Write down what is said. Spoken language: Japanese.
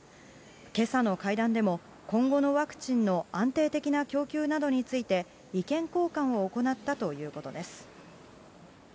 けさの会談でも、今後のワクチンの安定的な供給などについて、意見交換を行ったということです。